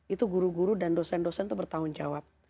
itu guru guru dan dosen dosen itu bertanggung jawab